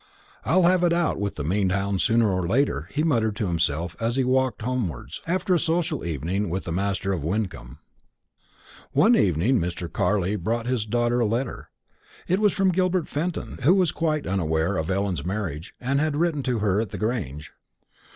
"I'll have it out of the mean hound sooner or later," he muttered to himself as he walked homewards, after a social evening with the master of Wyncomb. One evening Mr. Carley brought his daughter a letter. It was from Gilbert Fenton, who was quite unaware of Ellen's marriage, and had written to her at the Grange.